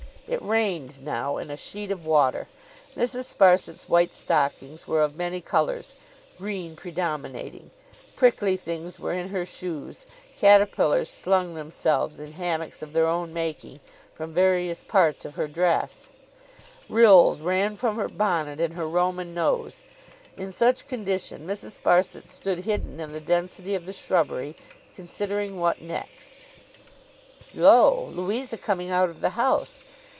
It rained now, in a sheet of water. Mrs. Sparsit's white stockings were of many colours, green predominating; prickly things were in her shoes; caterpillars slung themselves, in hammocks of their own making, from various parts of her dress; rills ran from her bonnet, and her Roman nose. In such condition, Mrs. Sparsit stood hidden in the density of the shrubbery, considering what next? Lo, Louisa coming out of the house!